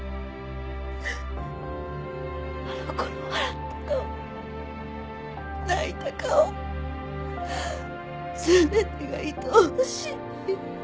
あの子の笑った顔泣いた顔全てがいとおしい。